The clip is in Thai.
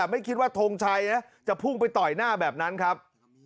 ไม่คิดว่าทงชัยจะพุ่งไปต่อยหน้าแบบนั้นครับ